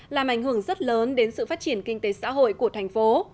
làm ảnh hưởng rất lớn đến sự phát triển kinh tế xã hội của thành phố